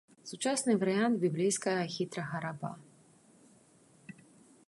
Сучасны варыянт біблейскага хітрага раба.